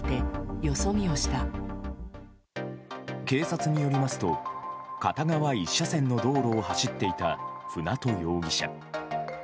警察によりますと片側１車線の道路を走っていた舟渡容疑者。